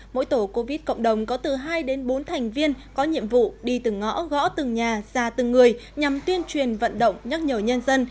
mỗi tổ covid cộng đồng có từ hai đến bốn thành viên có nhiệm vụ đi từng ngõ gõ từng nhà ra từng người nhằm tuyên truyền vận động nhắc nhở nhân dân